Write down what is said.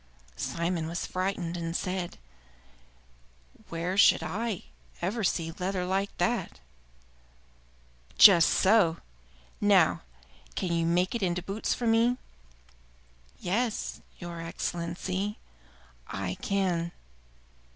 Simon was frightened, and said, "Where should I ever see leather like that?" "Just so! Now, can you make it into boots for me?" "Yes, your Excellency, I can."